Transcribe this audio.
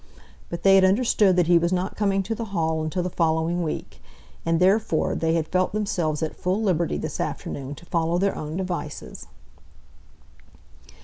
But they had understood that he was not coming to the Hall until the following week, and therefore they had felt themselves at full liberty this afternoon to follow their own devices.